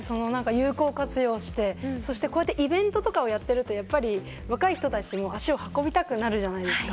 有効活用して、こうやってイベントとかやってると若い人たちも足を運びたくなるじゃないですか。